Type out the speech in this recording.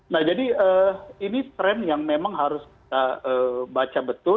nah jadi ini tren yang memang harus kita baca betul